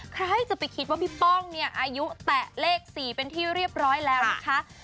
ใครจะไปคิดว่าพี่ป้องเนี่ยอายุแตะเลข๔เป็นที่เรียบร้อยแล้วนะคะ